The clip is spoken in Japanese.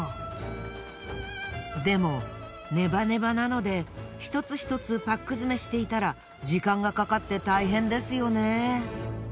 でもネバネバなので一つひとつパック詰めしていたら時間がかかって大変ですよね。